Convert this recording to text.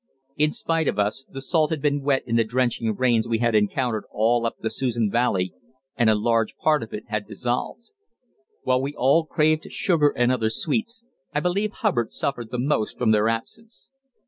In spite of us the salt had been wet in the drenching rains we had encountered all up the Susan Valley, and a large part of it had dissolved. While we all craved sugar and other sweets, I believe Hubbard suffered the most from their absence.